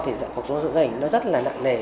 thì dạng cuộc sống dưỡng dành nó rất là nặng nề